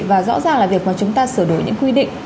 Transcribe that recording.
và rõ ràng là việc mà chúng ta sửa đổi những quy định